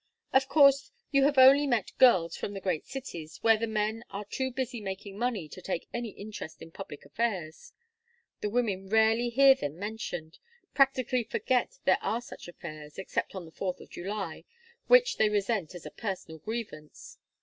Of course you have only met girls from the great cities, where the men are too busy making money to take any interest in public affairs. The women rarely hear them mentioned, practically forget there are such affairs except on the Fourth of July, which they resent as a personal grievance.